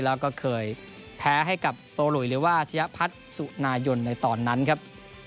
แล้วก็เคยแพ้ให้กับโตหลุยหรือว่าชะยะพัฒน์สุนายนในตอนนั้นครับ